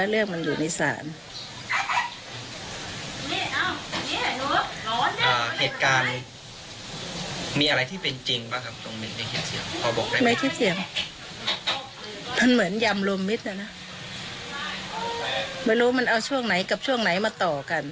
ไม่รู้มันเอาช่วงไหนกับช่วงไหนมาต่อกัน